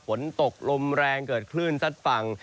ฝนตกลมแรงเกิดคลื่นซัดฝั่ง